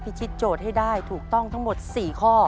ทิศโจทย์ให้ได้ถูกต้องทั้งหมด๔ข้อ